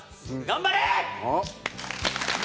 頑張れ！